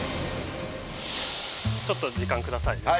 ちょっと時間下さい。